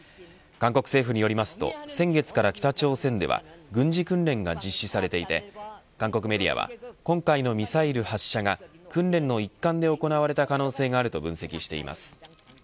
韓国政府によりますと先月から北朝鮮では軍事訓練が実施されていて韓国メディアは今回のミサイル発射が訓練の一環で行われた可能性があると分析しています。